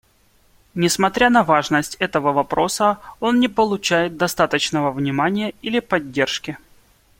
Несмотря на важность этого вопроса, он не получает достаточного внимания или поддержки.